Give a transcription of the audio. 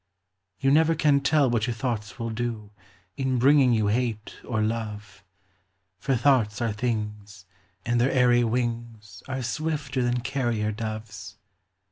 You never can tell what your thoughts will do, In bringing you hate or love; For thoughts are things, and their airy wings Are swifter than carrier doves.